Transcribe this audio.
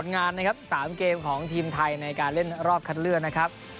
งานนะครับ๓เกมของทีมไทยในการเล่นรอบคัดเลือกนะครับ